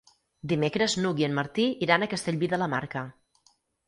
Dimecres n'Hug i en Martí iran a Castellví de la Marca.